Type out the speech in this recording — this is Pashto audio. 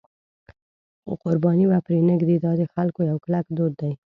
خو قرباني به پرې نه ږدي، دا د خلکو یو کلک دود دی.